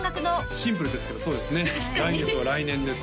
シンプルですけどそうですね来月は来年です